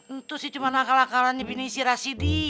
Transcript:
itu sih cuma nakal nakalannya bini sirasidi